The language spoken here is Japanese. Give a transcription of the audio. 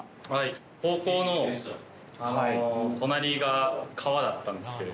高校の隣が川だったんですけど。